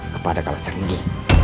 kepada kalas renggi